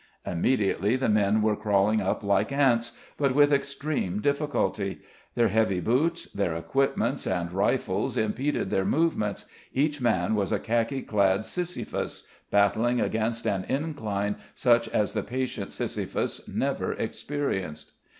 Immediately the men were crawling up like ants, but with extreme difficulty. Their heavy boots, their equipments and rifles impeded their movements, each man was a khaki clad Sisyphus, battling against an incline such as the patient Sisyphus never experienced.